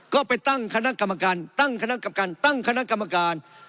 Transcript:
ก็ไปตั้งคณะกรรมการตั้งคณะกรรมการตั้งคณะกรรมการ